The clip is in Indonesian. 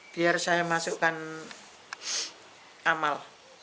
biar saya masukkan amal